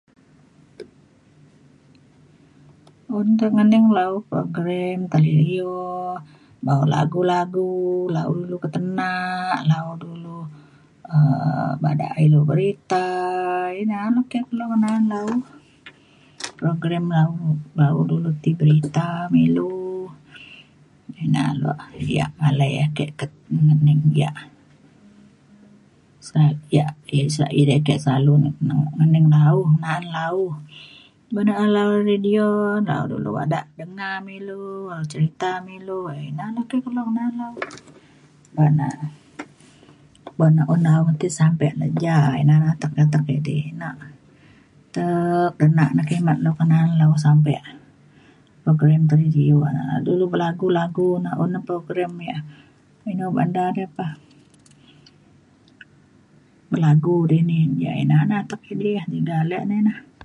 un te ngening lau program talidio bawa lagu lagu lao dulu ketena lau dulu um bada ilu berita ina loh keh kelo ke na’an lau. program lau dau ilu ti berita me ilu ina lok yak palai ake ke- ngening yak sa- yak yak edei ke selalu neng- ngening lau na’an lau. ban na lau radio na dulu bada dena me ilu cerita me ilu. ina na ke kelo na’an lau ban na buk na un lau ti metit sampe na ja ina na atek atek idi atek dena na kimet le na’an lau sampe program talidio na. dulu belagu lagu na un na pa program yak inu ba’an da re pah belagu dini. yak ina na atek kidi ya tiga ale ne na.